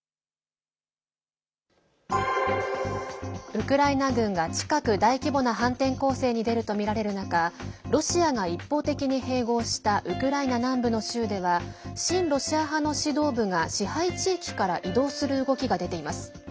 ウクライナ軍が近く大規模な反転攻勢に出るとみられる中ロシアが一方的に併合したウクライナ南部の州では親ロシア派の指導部が支配地域から移動する動きが出ています。